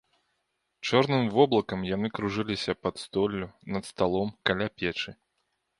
Чорным воблакам яны кружыліся пад столлю, над сталом, каля печы.